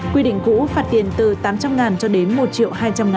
quy định cũ phạt tiền từ tám trăm linh cho đến một triệu hai trăm linh đồng